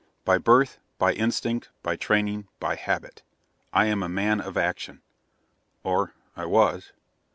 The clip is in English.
By birth, by instinct, by training, by habit, I am a man of action. Or I was.